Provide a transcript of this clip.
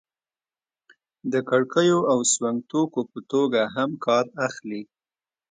د کړکیو او سونګ توکو په توګه هم کار اخلي.